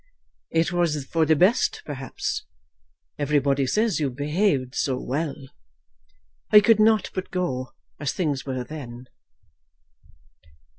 "It was for the best, perhaps. Everybody says you behaved so well." "I could not but go, as things were then."